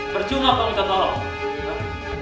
berjumlah kalau minta tolong